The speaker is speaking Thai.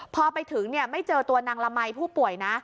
พอไปถึงไม่เจอตัวนางละมัยผู้ป่วยนะ